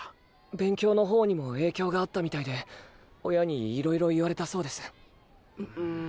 勉強の方にも影響があったみたいで親にいろいろ言われたそうです。